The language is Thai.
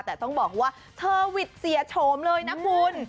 แต่ต้องบอกว่าเธอหวิดเสียโฉมเลยนะคุณ